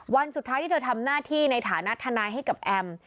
วันสุดท้ายที่เธอทำหน้าที่ในฐานะทนายให้กับแอม